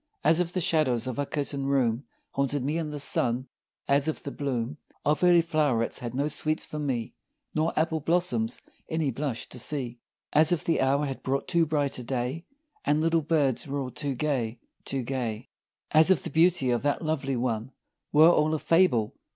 As if the shadows of a curtained room Haunted me in the sun as if the bloom Of early flow'rets had no sweets for me, Nor apple blossoms any blush to see As if the hour had brought too bright a day And little birds were all too gay! too gay! As if the beauty of that Lovely One Were all a fable.